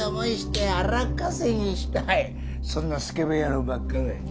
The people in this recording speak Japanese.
そんなスケベ野郎ばっかだよ。